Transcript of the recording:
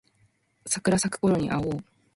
桜咲くころに会おう